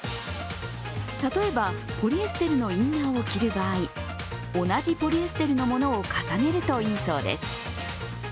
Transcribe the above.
例えば、ポリエステルのインナーを着る場合、同じポリエステルのものを重ねるといいそうです。